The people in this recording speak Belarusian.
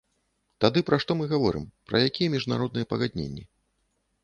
Тады пра што мы гаворым, пра якія міжнародныя пагадненні?